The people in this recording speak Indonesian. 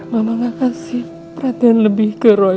mama nggak kasih perhatian lebih ke roy